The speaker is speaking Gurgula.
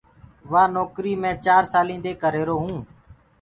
وآ نوڪريٚ مي چار سالينٚ دي ڪر رهيرو هونٚ۔